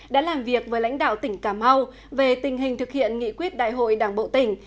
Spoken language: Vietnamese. đã làm việc với lãnh đạo tỉnh cà mau về tình hình thực hiện nghị quyết đại hội đảng bộ tỉnh